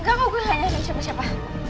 gak mau gue nyari siapa siapa